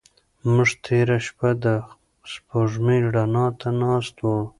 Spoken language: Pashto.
موږ تېره شپه د سپوږمۍ رڼا ته ناست وو.